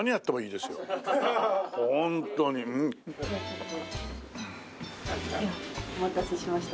ではお待たせしました。